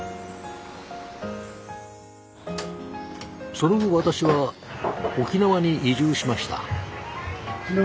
その後私は沖縄に移住しました。